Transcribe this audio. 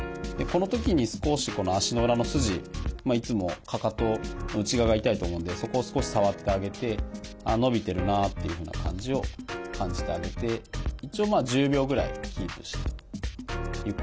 このときに少しこの足の裏の筋いつもかかかとの内側が痛いと思うのでそこを少し触ってあげて伸びてるなっていうふうな感じを感じてあげて一応まあ１０秒ぐらいキープして。